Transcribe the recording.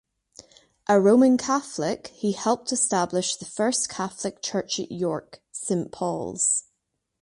A Roman Catholic, he helped establish the first Catholic church at York, Saint Paul's.